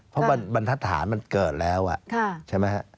เพราะบรรทัศน์มันเกิดแล้วใช่ไหมฮะ